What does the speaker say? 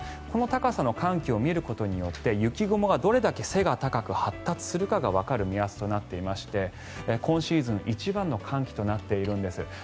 この高さの寒気を見ることによって雪雲がどれだけ背が高く発達するかがわかる目安となっていまして今シーズン一番の寒気となっているんです。